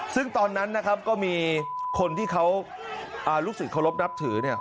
ซึ่งตอนนั้นนะครับก็มีคนที่เขาลูกศิษย์เคารพนับถือ